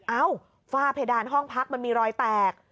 เอ้าฝ้าเพดานห้องพักมันมีรอยแตก